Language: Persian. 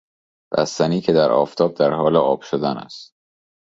بستنی که در آفتاب در حال آب شدن است